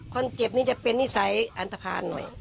คนเจ็บนี้จะเป็นนิสัยอันทภาณหน่อย